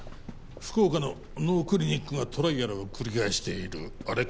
福岡の脳クリニックがトライアルを繰り返しているあれか？